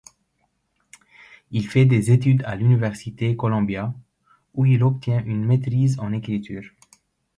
Il fait des études à l'université Columbia, où il obtient une maîtrise en écriture.